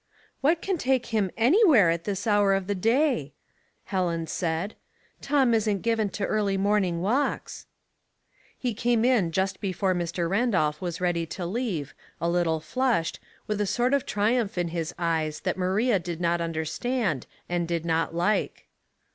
" What can take him anywhere at this hour of the day ?" Helen said. *' Tom isn't given to early morning walks." He came in just before Mr. Randolph was ready to leave, a little fluslied, with a sort oi triumph in his eyes that Maria did not under stand and did not like.